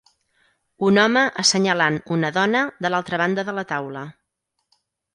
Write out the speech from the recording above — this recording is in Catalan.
Un home assenyalant una dona de l'altra banda de la taula